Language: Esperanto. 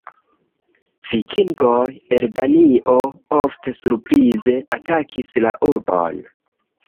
Vikingoj el Danio ofte surprize atakis la urbon.